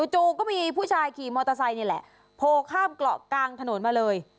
จู่ก็มีผู้ชายขี่มอเตอร์ไซค์นี่แหละโพลข้ามเกาะกลางถนนมาเลย